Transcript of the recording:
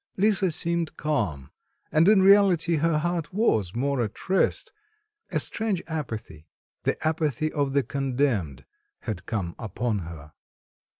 Lisa seemed calm; and in reality, her heart was more at rest, a strange apathy, the apathy of the condemned had come upon her.